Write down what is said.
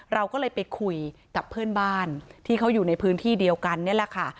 เราก็เลยไปคุยกับเพื่อนบ้านที่เขาอยู่ในพื้นที่เดียวกันนี่แหละค่ะ